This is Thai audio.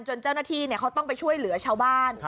เจ้าหน้าที่เขาต้องไปช่วยเหลือชาวบ้าน